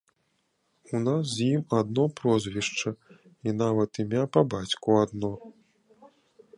У нас з ім адно прозвішча, і нават імя па бацьку адно.